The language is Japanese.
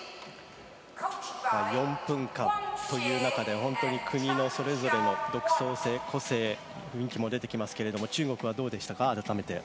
４分間という中で、国のそれぞれの独創性、個性も出てきますけれど、中国はどうでしたか？